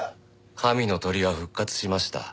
神の鳥は復活しました。